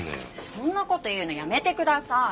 そんな事言うのやめてください。